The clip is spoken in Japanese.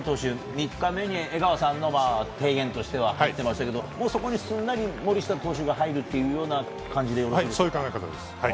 ３日目に江川さんのが提言としては言ってましたけどそこにすんなり森下投手が入るというそれで良いです。